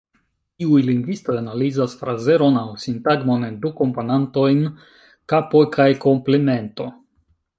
Iuj lingvistoj analizas frazeron, aŭ sintagmon, en du komponantojn: kapo kaj komplemento.